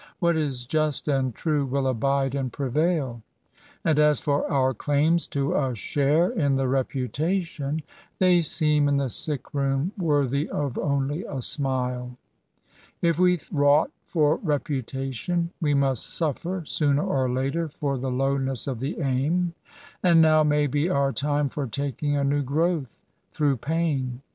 What is just and true will abide and prevail ; and as for our claims to a share in the reputation, they seem in the sick room worthy of only a smile. If we wrought for reputation, we must puffer, sooner or later, for the lowness of the aim ; and now may be our time for taking a new growth through pain.